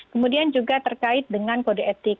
kemudian juga terkait dengan kode etik